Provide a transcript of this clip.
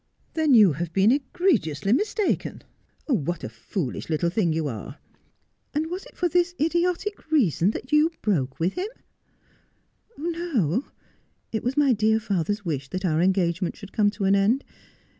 ' Then you have been egregiously mistaken ! What a foolish little thing you are ! And was it for this idiotic reason you broke with him I ' 'No. It was my dear father's wish that our engagement should come to an end.